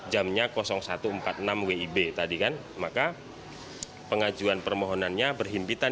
jamnya satu empat puluh enam wib tadi kan maka pengajuan permohonannya berhimpitan